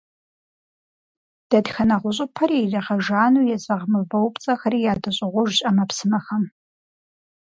Дэтхэнэ гъущӀыпэри иригъэжану езэгъ мывэупцӀэхэри ядэщӀыгъужщ Ӏэмэпсымэхэм.